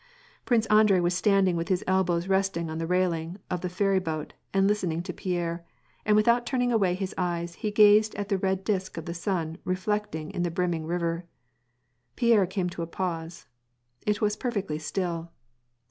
Prince Andrei was standing with his elbows resting on the railing of the ferry boat and listening to Pierre, and without turning away his eyes he gazed at the red disk of the sun re flected in the brimming river. Pierre came to a pause. It was perfectly still.